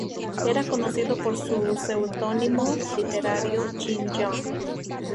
Era conocido por su seudónimo literario: Jin Yong.